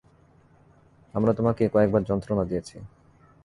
আমরা তোমাকে কয়েকবার যন্ত্রণা দিয়েছি।